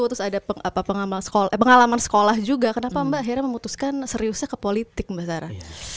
terus ada pengalaman sekolah juga kenapa mbak akhirnya memutuskan seriusnya ke politik mbak sarah